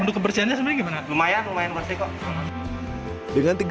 untuk kebersihannya sebenarnya gimana